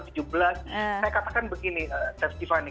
saya katakan begini tiffany